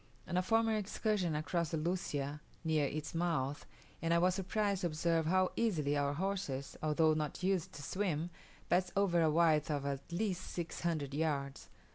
On a former excursion I crossed the Lucia near its mouth, and I was surprised to observe how easily our horses, although not used to swim, passed over a width of at least six hundred yards.